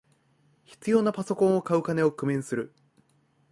必要なパソコンを買う金を工面する